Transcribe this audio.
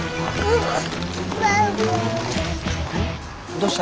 どうした？